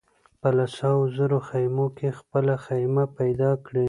په لسهاوو زره خېمو کې خپله خېمه پیدا کړي.